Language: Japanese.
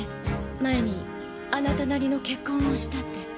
前にあなたなりの結婚をしたって。